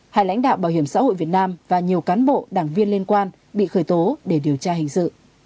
hai lãnh đạo bảo hiểm xã hội việt nam và nhiều cán bộ đảng viên liên quan bị khởi tố để điều tra hình sự